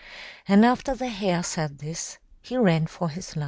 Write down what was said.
And after the Hare said this, he ran for his life.